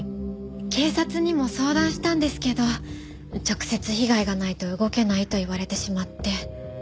警察にも相談したんですけど直接被害がないと動けないと言われてしまって。